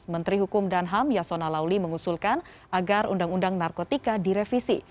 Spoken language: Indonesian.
menteri hukum dan ham yasona lauli mengusulkan agar undang undang narkotika direvisi